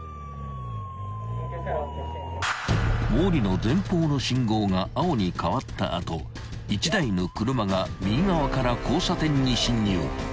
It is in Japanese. ［毛利の前方の信号が青に変わった後１台の車が右側から交差点に進入］